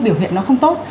biểu hiện nó không tốt